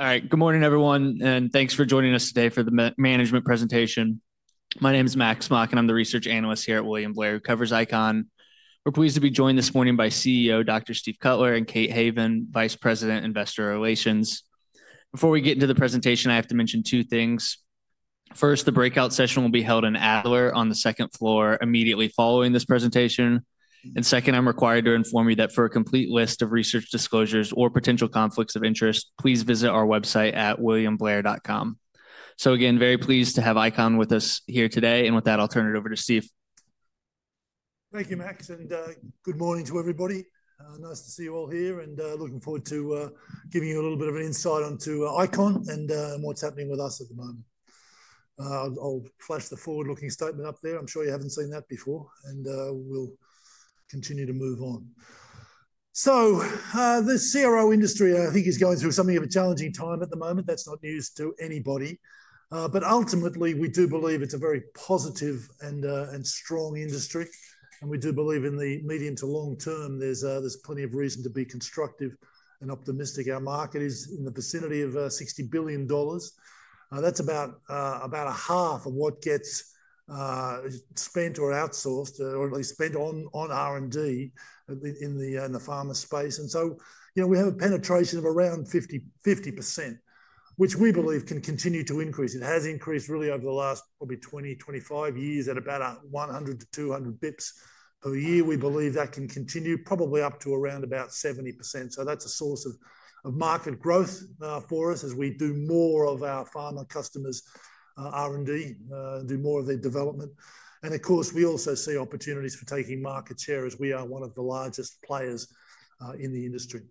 All right. Good morning, everyone, and thanks for joining us today for the management presentation. My name is Max Mock, and I'm the research analyst here at William Blair who covers ICON. We're pleased to be joined this morning by CEO Dr. Steve Cutler and Kate Haven, Vice President, Investor Relations. Before we get into the presentation, I have to mention two things. First, the breakout session will be held in Adler on the second floor immediately following this presentation. Second, I'm required to inform you that for a complete list of research disclosures or potential conflicts of interest, please visit our website at william-blair.com. Again, very pleased to have ICON with us here today. With that, I'll turn it over to Steve. Thank you, Max, and good morning to everybody. Nice to see you all here and looking forward to giving you a little bit of an insight onto ICON and what's happening with us at the moment. I'll flash the forward-looking statement up there. I'm sure you haven't seen that before, and we'll continue to move on. The CRO industry, I think, is going through something of a challenging time at the moment. That's not news to anybody. Ultimately, we do believe it's a very positive and strong industry. We do believe in the medium to long term, there's plenty of reason to be constructive and optimistic. Our market is in the vicinity of $60 billion. That's about half of what gets spent or outsourced, or at least spent on R&D in the pharma space. We have a penetration of around 50%, which we believe can continue to increase. It has increased really over the last probably 20-25 years at about 100 bps-200 bps per year. We believe that can continue probably up to around about 70%. That is a source of market growth for us as we do more of our pharma customers' R&D, do more of their development. Of course, we also see opportunities for taking market share as we are one of the largest players in the industry.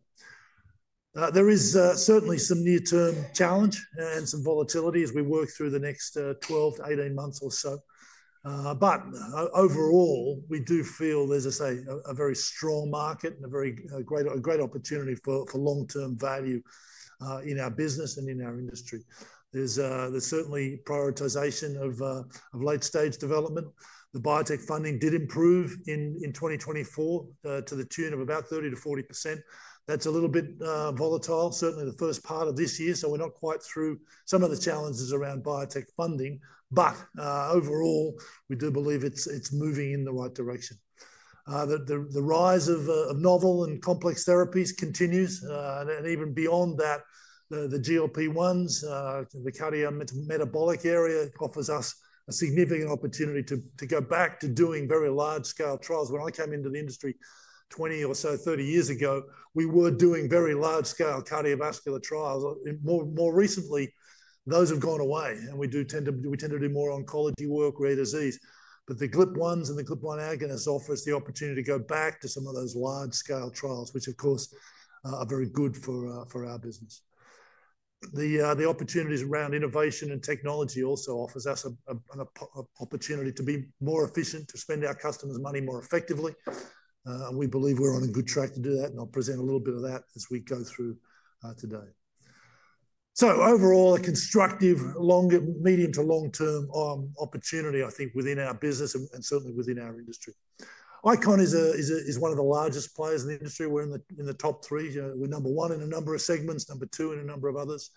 There is certainly some near-term challenge and some volatility as we work through the next 12-18 months or so. Overall, we do feel, as I say, a very strong market and a great opportunity for long-term value in our business and in our industry. There is certainly prioritization of late-stage development. The biotech funding did improve in 2024 to the tune of about 30%-40%. That's a little bit volatile, certainly the first part of this year. We're not quite through some of the challenges around biotech funding. Overall, we do believe it's moving in the right direction. The rise of novel and complex therapies continues. Even beyond that, the GLP-1s, the cardiometabolic area offers us a significant opportunity to go back to doing very large-scale trials. When I came into the industry 20 or so, 30 years ago, we were doing very large-scale cardiovascular trials. More recently, those have gone away. We do tend to do more oncology work, rare disease. The GLP-1s and the GLP-1 agonists offer us the opportunity to go back to some of those large-scale trials, which of course are very good for our business. The opportunities around innovation and technology also offer us an opportunity to be more efficient, to spend our customers' money more effectively. We believe we're on a good track to do that. I'll present a little bit of that as we go through today. Overall, a constructive longer medium- to long-term opportunity, I think, within our business and certainly within our industry. ICON is one of the largest players in the industry. We're in the top three. We're number one in a number of segments, number two in a number of others.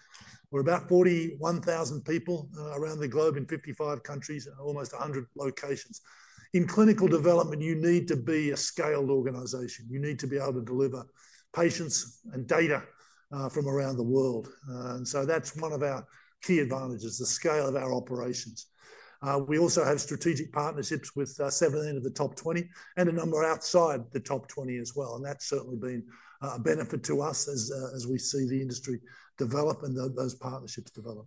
We're about 41,000 people around the globe in 55 countries, almost 100 locations. In clinical development, you need to be a scaled organization. You need to be able to deliver patients and data from around the world. That's one of our key advantages, the scale of our operations. We also have strategic partnerships with 17 of the top 20 and a number outside the top 20 as well. That has certainly been a benefit to us as we see the industry develop and those partnerships develop.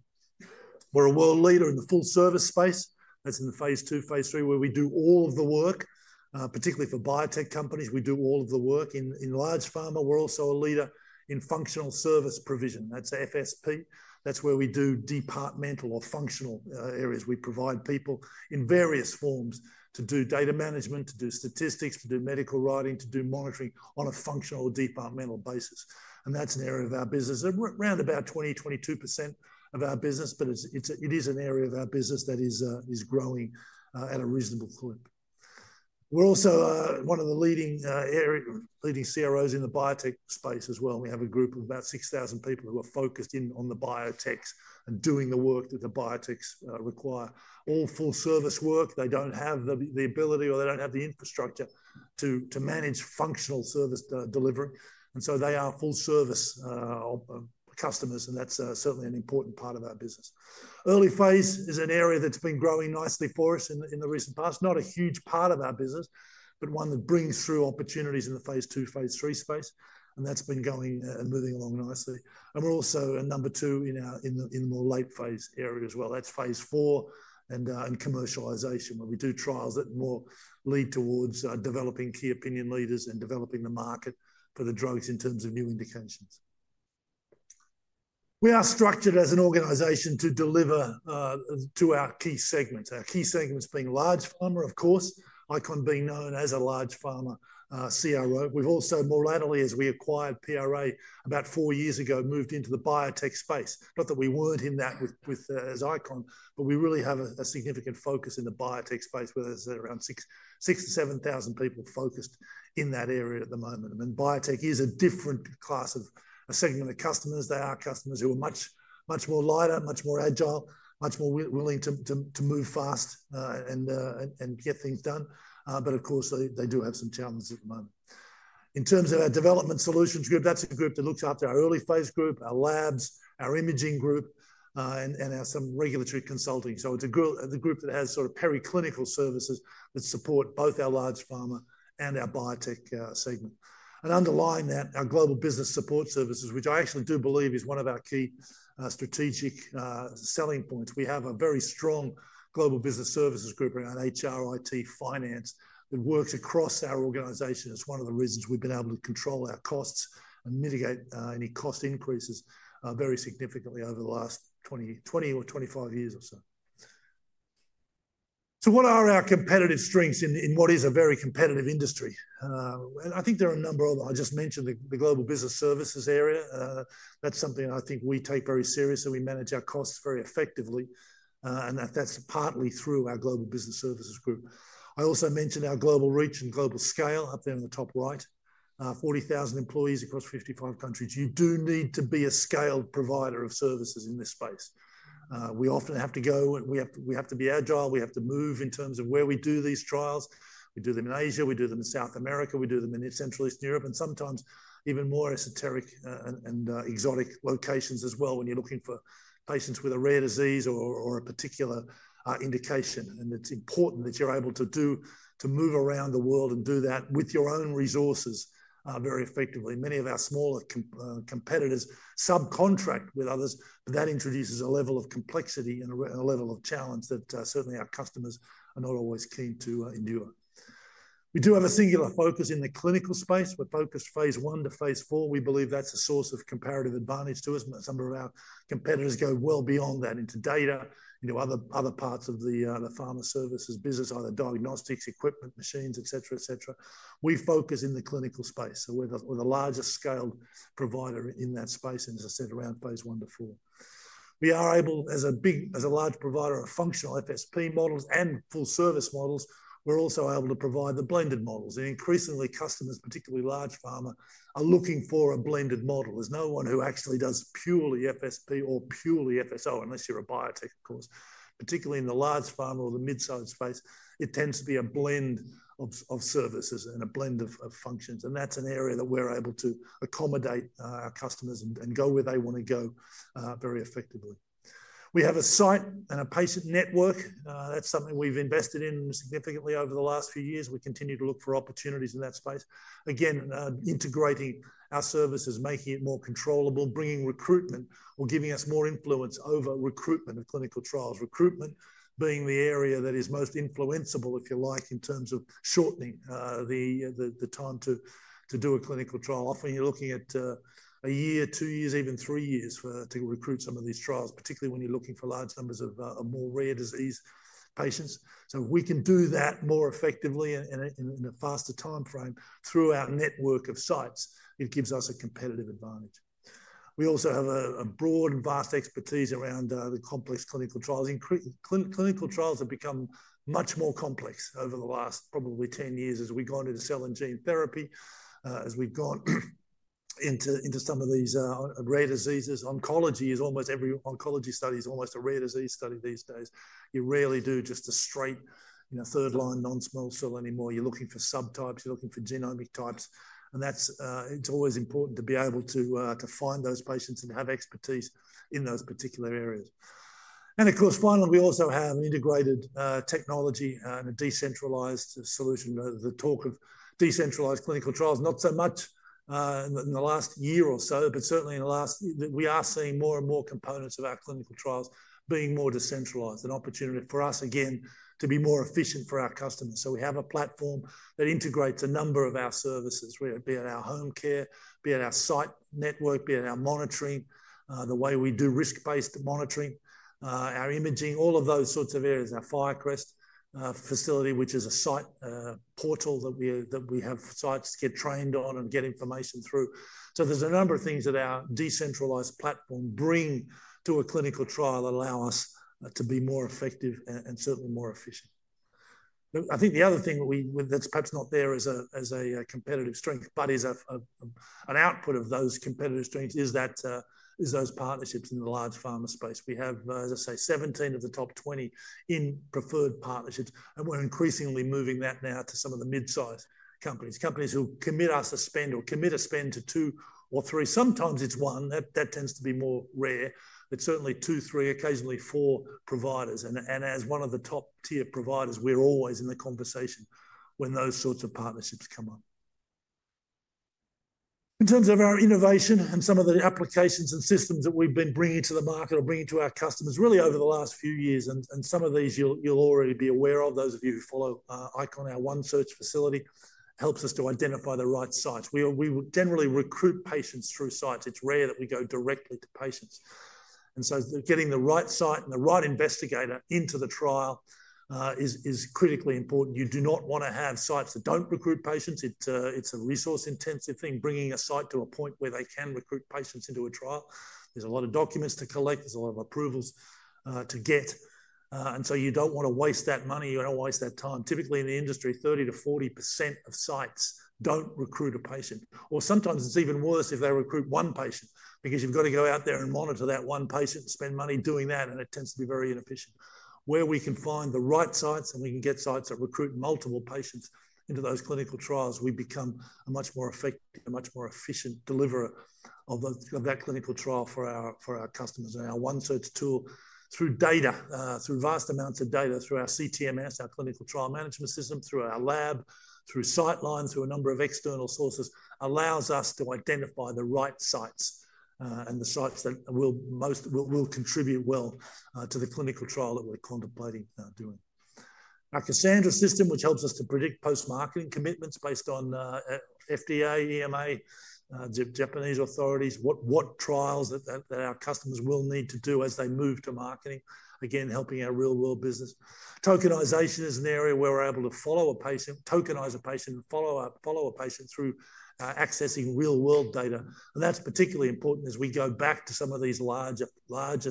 We are a world leader in the full-service space. That is in the phase II, phase III, where we do all of the work, particularly for biotech companies. We do all of the work in large pharma. We are also a leader in functional service provision, that is FSP. That is where we do departmental or functional areas. We provide people in various forms to do data management, to do statistics, to do medical writing, to do monitoring on a functional departmental basis. That is an area of our business. Around about 20%-22% of our business, but it is an area of our business that is growing at a reasonable clip. We're also one of the leading CROs in the biotech space as well. We have a group of about 6,000 people who are focused in on the biotechs and doing the work that the biotechs require. All full-service work. They don't have the ability or they don't have the infrastructure to manage functional service delivery. They are full-service customers. That's certainly an important part of our business. Early phase is an area that's been growing nicely for us in the recent past. Not a huge part of our business, but one that brings through opportunities in the phase II, phase III space. That's been going and moving along nicely. We're also number two in the more late phase area as well. That's phase IV and commercialization, where we do trials that more lead towards developing key opinion leaders and developing the market for the drugs in terms of new indications. We are structured as an organization to deliver to our key segments. Our key segments being large pharma, of course, ICON being known as a large pharma CRO. We've also more readily, as we acquired PRA about four years ago, moved into the biotech space. Not that we weren't in that as ICON, but we really have a significant focus in the biotech space, where there's around 6,000-7,000 people focused in that area at the moment. And biotech is a different class of segment of customers. They are customers who are much more lighter, much more agile, much more willing to move fast and get things done. But of course, they do have some challenges at the moment. In terms of our development solutions group, that's a group that looks after our early phase group, our labs, our imaging group, and some regulatory consulting. It's a group that has sort of periclinical services that support both our large pharma and our biotech segment. Underlying that, our global business support services, which I actually do believe is one of our key strategic selling points. We have a very strong global business services group around HR, IT, finance that works across our organization. It's one of the reasons we've been able to control our costs and mitigate any cost increases very significantly over the last 20 or 25 years or so. What are our competitive strengths in what is a very competitive industry? I think there are a number of them. I just mentioned the global business services area. That's something I think we take very seriously. We manage our costs very effectively. That's partly through our global business services group. I also mentioned our global reach and global scale up there in the top right, 40,000 employees across 55 countries. You do need to be a scaled provider of services in this space. We often have to go and we have to be agile. We have to move in terms of where we do these trials. We do them in Asia. We do them in South America. We do them in Central East Europe, and sometimes even more esoteric and exotic locations as well when you're looking for patients with a rare disease or a particular indication. It's important that you're able to move around the world and do that with your own resources very effectively. Many of our smaller competitors subcontract with others, but that introduces a level of complexity and a level of challenge that certainly our customers are not always keen to endure. We do have a singular focus in the clinical space. We're focused phase I to phase IV. We believe that's a source of comparative advantage to us. Some of our competitors go well beyond that into data into other parts of the pharma services business, either diagnostics, equipment, machines, etc., etc. We focus in the clinical space. We're the largest scaled provider in that space, as I said, around phase I to IV. We are able, as a large provider of functional FSP models and full-service models, we're also able to provide the blended models. Increasingly, customers, particularly large pharma, are looking for a blended model. There's no one who actually does purely FSP or purely FSO, unless you're a biotech, of course. Particularly in the large pharma or the mid-sized space, it tends to be a blend of services and a blend of functions. That's an area that we're able to accommodate our customers and go where they want to go very effectively. We have a site and a patient network. That's something we've invested in significantly over the last few years. We continue to look for opportunities in that space. Again, integrating our services, making it more controllable. Bringing recruitment or giving us more influence over recruitment of clinical trials. Recruitment being the area that is most influenceable, if you like, in terms of shortening the time to do a clinical trial. Often you're looking at a year, two years, even three years to recruit some of these trials, particularly when you're looking for large numbers of more rare disease patients. If we can do that more effectively and in a faster time frame through our network of sites, it gives us a competitive advantage. We also have a broad and vast expertise around the complex clinical trials. Clinical trials have become much more complex over the last probably 10 years as we've gone into cell and gene therapy, as we've gone into some of these rare diseases. Oncology is almost every oncology study is almost a rare disease study these days. You rarely do just a straight third-line non-small cell anymore. You're looking for subtypes. You're looking for genomic types. It's always important to be able to find those patients and have expertise in those particular areas. Of course, finally, we also have integrated technology and a decentralized solution. The talk of decentralized clinical trials, not so much in the last year or so, but certainly in the last, we are seeing more and more components of our clinical trials being more decentralized. An opportunity for us, again, to be more efficient for our customers. We have a platform that integrates a number of our services, be it our home care, be it our site network, be it our monitoring, the way we do risk-based monitoring, our imaging, all of those sorts of areas. Our FIRECREST facility, which is a site portal that we have sites get trained on and get information through. There are a number of things that our decentralized platform brings to a clinical trial that allow us to be more effective and certainly more efficient. I think the other thing that's perhaps not there as a competitive strength, but is an output of those competitive strengths, is those partnerships in the large pharma space. We have, as I say, 17 of the top 20 in preferred partnerships. We're increasingly moving that now to some of the mid-sized companies, companies who commit us a spend or commit a spend to two or three. Sometimes it's one. That tends to be more rare. It's certainly two, three, occasionally four providers. As one of the top-tier providers, we're always in the conversation when those sorts of partnerships come up. In terms of our innovation and some of the applications and systems that we've been bringing to the market or bringing to our customers, really over the last few years, and some of these you'll already be aware of, those of you who follow ICON, our One Search facility helps us to identify the right sites. We generally recruit patients through sites. It's rare that we go directly to patients. Getting the right site and the right investigator into the trial is critically important. You do not want to have sites that do not recruit patients. It's a resource-intensive thing, bringing a site to a point where they can recruit patients into a trial. There is a lot of documents to collect. There is a lot of approvals to get. You do not want to waste that money. You do not want to waste that time. Typically, in the industry, 30%-40% of sites do not recruit a patient. Or sometimes it is even worse if they recruit one patient because you have got to go out there and monitor that one patient and spend money doing that. It tends to be very inefficient. Where we can find the right sites and we can get sites that recruit multiple patients into those clinical trials, we become a much more efficient deliverer of that clinical trial for our customers. Our One Search tool, through data, through vast amounts of data, through our CTMS, our clinical trial management system, through our lab, through Citeline, through a number of external sources, allows us to identify the right sites and the sites that will contribute well to the clinical trial that we are contemplating doing. Our Cassandra system, which helps us to predict post-marketing commitments based on FDA, EMA, Japanese authorities, what trials that our customers will need to do as they move to marketing, again, helping our real-world business. Tokenization is an area where we're able to follow a patient, tokenize a patient, and follow a patient through accessing real-world data. That's particularly important as we go back to some of these larger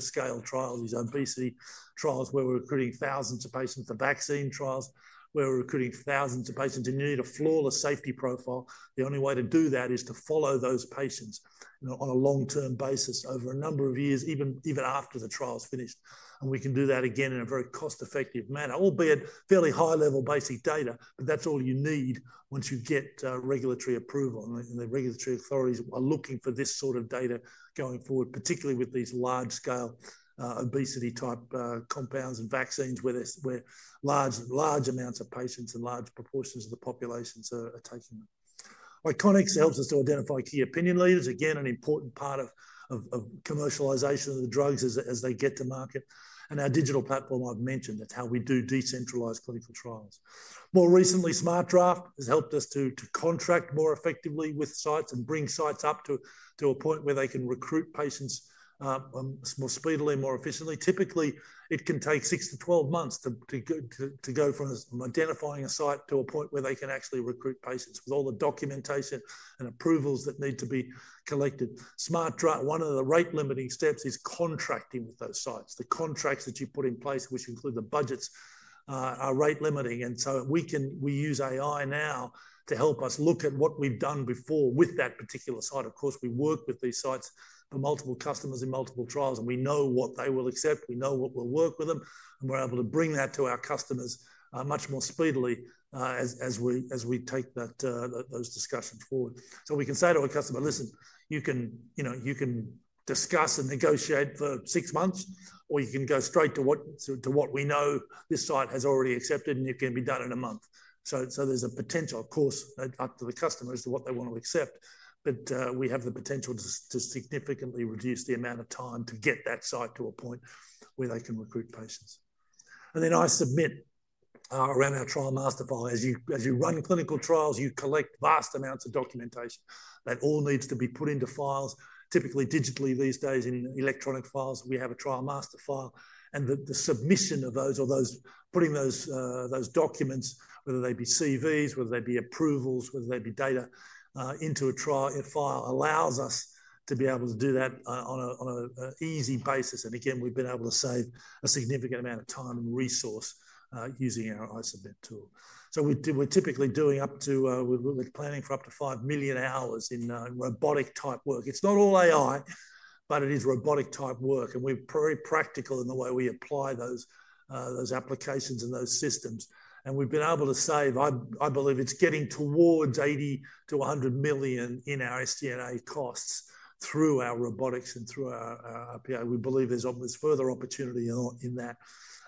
scale trials, these obesity trials where we're recruiting thousands of patients for vaccine trials, where we're recruiting thousands of patients and you need a flawless safety profile. The only way to do that is to follow those patients on a long-term basis over a number of years, even after the trial's finished. We can do that again in a very cost-effective manner, albeit fairly high-level basic data, but that's all you need once you get regulatory approval. The regulatory authorities are looking for this sort of data going forward, particularly with these large-scale obesity-type compounds and vaccines where large amounts of patients and large proportions of the population are taking them. ICONex helps us to identify key opinion leaders. Again, an important part of commercialization of the drugs as they get to market. Our digital platform, I have mentioned, that's how we do decentralized clinical trials. More recently, SmartDraft has helped us to contract more effectively with sites and bring sites up to a point where they can recruit patients more speedily, more efficiently. Typically, it can take 6-12 months to go from identifying a site to a point where they can actually recruit patients with all the documentation and approvals that need to be collected. SmartDraft, one of the rate-limiting steps, is contracting with those sites. The contracts that you put in place, which include the budgets, are rate-limiting. We use AI now to help us look at what we've done before with that particular site. Of course, we work with these sites for multiple customers in multiple trials, and we know what they will accept. We know what we'll work with them. We are able to bring that to our customers much more speedily as we take those discussions forward. We can say to a customer, "Listen, you can discuss and negotiate for six months, or you can go straight to what we know this site has already accepted, and it can be done in a month." There is a potential, of course, up to the customers to what they want to accept. We have the potential to significantly reduce the amount of time to get that site to a point where they can recruit patients. I submit around our trial master file. As you run clinical trials, you collect vast amounts of documentation. That all needs to be put into files, typically digitally these days in electronic files. We have a trial master file. The submission of those or putting those documents, whether they be CVs, whether they be approvals, whether they be data into a trial file, allows us to be able to do that on an easy basis. Again, we've been able to save a significant amount of time and resource using our iSubmit tool. We're typically doing up to, we're planning for up to 5 million hours in robotic-type work. It's not all AI, but it is robotic-type work. We're very practical in the way we apply those applications and those systems. We've been able to save, I believe it's getting towards $80 million-$100 million in our SD&A costs through our robotics and through our RPI. We believe there's further opportunity in that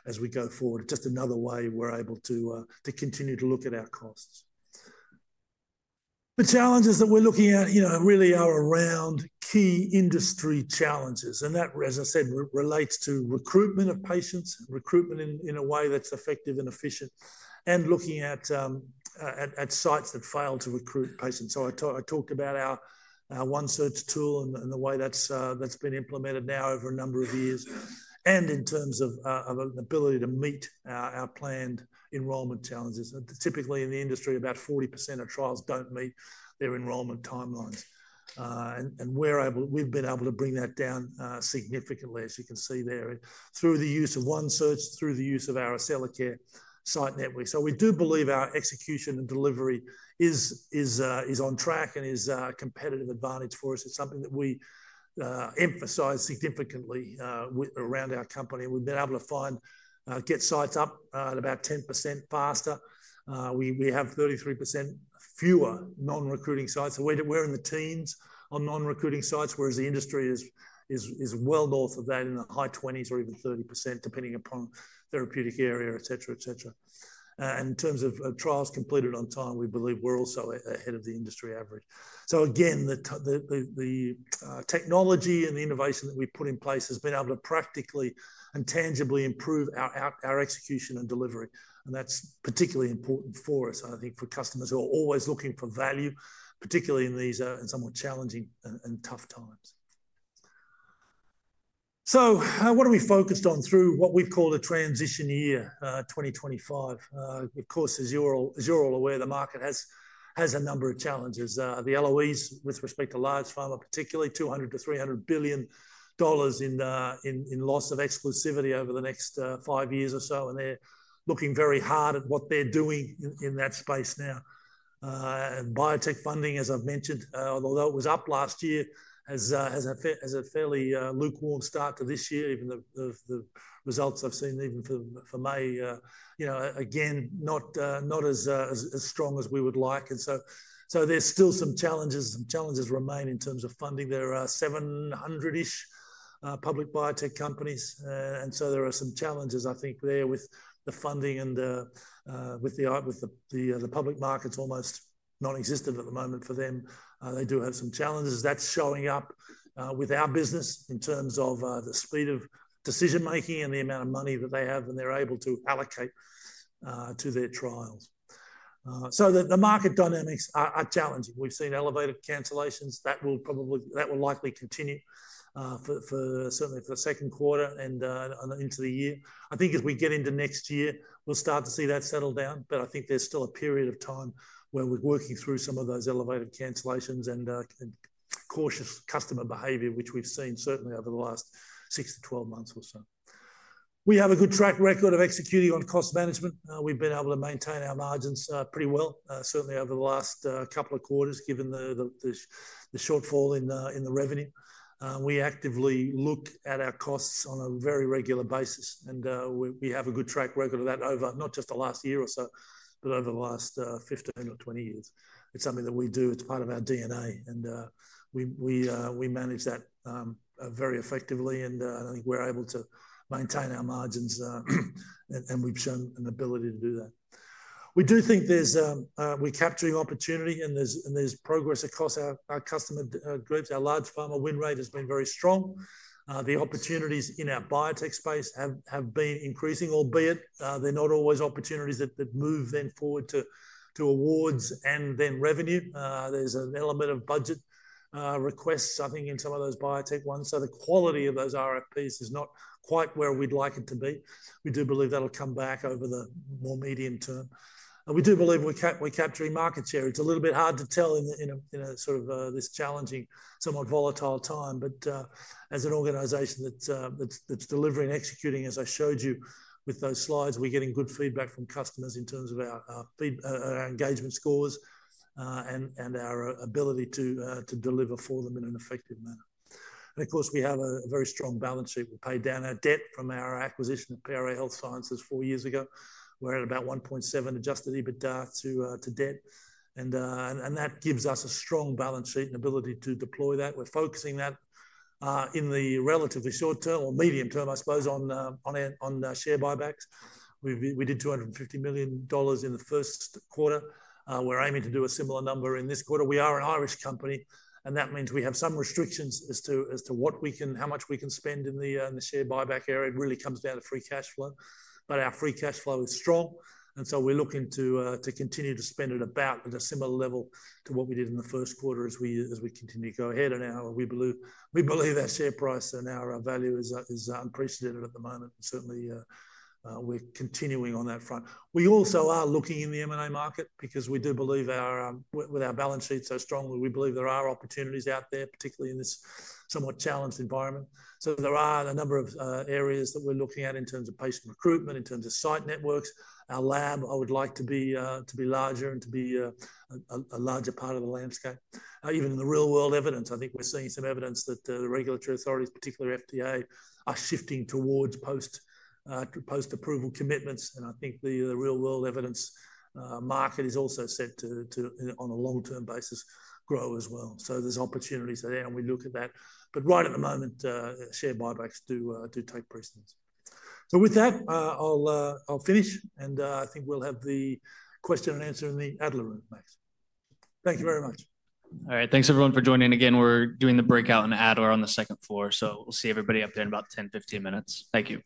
as we go forward. It's just another way we're able to continue to look at our costs. The challenges that we're looking at really are around key industry challenges. That, as I said, relates to recruitment of patients, recruitment in a way that's effective and efficient, and looking at sites that fail to recruit patients. I talked about our One Search tool and the way that's been implemented now over a number of years and in terms of ability to meet our planned enrollment challenges. Typically, in the industry, about 40% of trials don't meet their enrollment timelines. We have been able to bring that down significantly, as you can see there, through the use of One Search, through the use of our Accellacare site network. We do believe our execution and delivery is on track and is a competitive advantage for us. It is something that we emphasize significantly around our company. We have been able to get sites up at about 10% faster. We have 33% fewer non-recruiting sites. We are in the teens on non-recruiting sites, whereas the industry is well north of that in the high 20s or even 30%, depending upon therapeutic area, etc., etc. In terms of trials completed on time, we believe we are also ahead of the industry average. The technology and the innovation that we have put in place has been able to practically and tangibly improve our execution and delivery. That is particularly important for us, I think, for customers who are always looking for value, particularly in these somewhat challenging and tough times. What are we focused on through what we have called a transition year, 2025? Of course, as you are all aware, the market has a number of challenges. The LOEs, with respect to large pharma, particularly $200 billion-$300 billion in loss of exclusivity over the next five years or so. They are looking very hard at what they are doing in that space now. Biotech funding, as I have mentioned, although it was up last year, has had a fairly lukewarm start to this year. Even the results I have seen for May, again, not as strong as we would like. There are still some challenges. Some challenges remain in terms of funding. There are 700-ish public biotech companies. There are some challenges, I think, there with the funding and with the public markets almost non-existent at the moment for them. They do have some challenges. That is showing up with our business in terms of the speed of decision-making and the amount of money that they have and they are able to allocate to their trials. The market dynamics are challenging. We have seen elevated cancellations. That will likely continue, certainly for the second quarter and into the year. I think as we get into next year, we will start to see that settle down. I think there is still a period of time where we are working through some of those elevated cancellations and cautious customer behavior, which we have seen certainly over the last 6-12 months or so. We have a good track record of executing on cost management. We've been able to maintain our margins pretty well, certainly over the last couple of quarters, given the shortfall in the revenue. We actively look at our costs on a very regular basis. We have a good track record of that over not just the last year or so, but over the last 15 or 20 years. It's something that we do. It's part of our DNA. We manage that very effectively. I think we're able to maintain our margins. We've shown an ability to do that. We do think we're capturing opportunity. There's progress across our customer groups. Our large pharma win rate has been very strong. The opportunities in our biotech space have been increasing, albeit they're not always opportunities that move then forward to awards and then revenue. There's an element of budget requests, I think, in some of those biotech ones. The quality of those RFPs is not quite where we'd like it to be. We do believe that'll come back over the more medium term. We do believe we're capturing market share. It's a little bit hard to tell in sort of this challenging, somewhat volatile time. As an organization that's delivering and executing, as I showed you with those slides, we're getting good feedback from customers in terms of our engagement scores and our ability to deliver for them in an effective manner. Of course, we have a very strong balance sheet. We've paid down our debt from our acquisition of PRA Health Sciences four years ago. We're at about 1.7 adjusted EBITDA to debt. That gives us a strong balance sheet and ability to deploy that. We're focusing that in the relatively short term or medium term, I suppose, on share buybacks. We did $250 million in the first quarter. We're aiming to do a similar number in this quarter. We are an Irish company. That means we have some restrictions as to how much we can spend in the share buyback area. It really comes down to free cash flow. Our free cash flow is strong. We are looking to continue to spend at about a similar level to what we did in the first quarter as we continue to go ahead. We believe our share price and our value is unprecedented at the moment. Certainly, we're continuing on that front. We also are looking in the M&A market because we do believe with our balance sheet so strongly, we believe there are opportunities out there, particularly in this somewhat challenged environment. There are a number of areas that we're looking at in terms of patient recruitment, in terms of site networks. Our lab, I would like to be larger and to be a larger part of the landscape. Even in the real-world evidence, I think we're seeing some evidence that the regulatory authorities, particularly FDA, are shifting towards post-approval commitments. I think the real-world evidence market is also set to, on a long-term basis, grow as well. There are opportunities there. We look at that. Right at the moment, share buybacks do take precedence. With that, I'll finish. I think we'll have the question and answer in the Adler room, Max. Thank you very much. All right. Thanks, everyone, for joining again. We're doing the breakout in the Adler on the second floor. So we'll see everybody up there in about 10-15 minutes. Thank you.